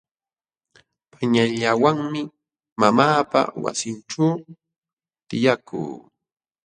Panallawanmi mamaapa wasinćhuu tiyakuu.